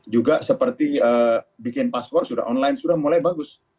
juga seperti bikin paspor sudah online sudah mulai bagus